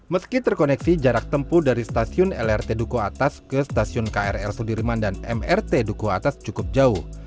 meski terkoneksi jarak tempuh dari stasiun lrt duku atas ke stasiun krl sudirman dan mrt dukuh atas cukup jauh